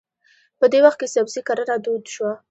په دې وخت کې سبزي کرنه دود شوه.